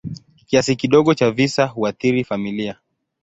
Kiasi kidogo cha visa huathiri familia.